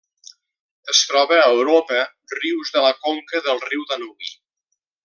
Es troba a Europa: rius de la conca del riu Danubi.